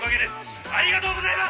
ありがとうございます！